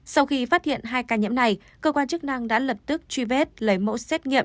sau khi phát hiện hai ca nhiễm này cơ quan chức năng đã lập tức truy vết lấy mẫu xét nghiệm